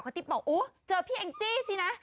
ติ๊บบอกโอ้เจอพี่แองจี้สินะ